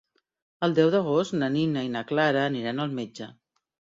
El deu d'agost na Nina i na Clara aniran al metge.